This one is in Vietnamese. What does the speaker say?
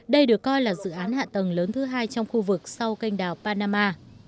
đây được coi là dự án hạ tầng lớn thứ hai trong khu vực sau kênh đảo panama